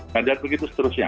nah dan begitu seterusnya